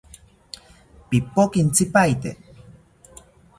Pipoki intzipaete